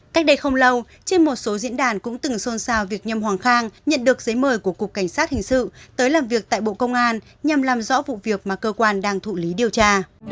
cách đây không lâu trên một số diễn đàn cũng từng xôn xao việc nhâm hoàng khang nhận được giấy mời của cục cảnh sát hình sự tới làm việc tại bộ công an nhằm làm rõ vụ việc mà cơ quan đang thụ lý điều tra